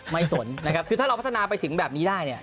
สนนะครับคือถ้าเราพัฒนาไปถึงแบบนี้ได้เนี่ย